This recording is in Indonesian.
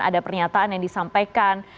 ada pernyataan yang disampaikan